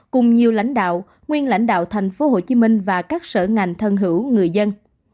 cùng nhiều lãnh đạo nguyên lãnh đạo tp hcm và các sở ngành thân hữu người dân